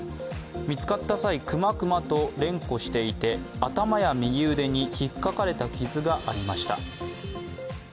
見つかった際、熊、熊と連呼していて、頭や右腕に引っかかれた傷がありました。